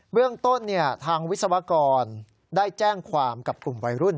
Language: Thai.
เรื่องต้นทางวิศวกรได้แจ้งความกับกลุ่มวัยรุ่น